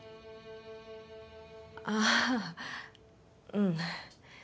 ああうん。